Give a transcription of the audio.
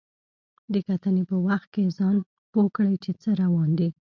د کتنې په وخت کې ځان پوه کړئ چې څه روان دي.